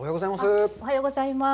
おはようございます。